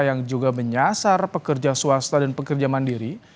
yang juga menyasar pekerja swasta dan pekerja mandiri